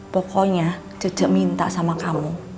pokoknya jejak minta sama kamu